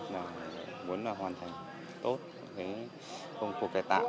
mình cũng muốn hoàn thành tốt công cuộc kẻ tạng